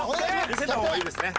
見せた方がいいですね。